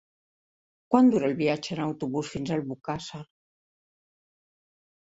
Quant dura el viatge en autobús fins a Albocàsser?